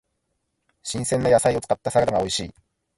新鮮な野菜を使ったサラダが美味しい。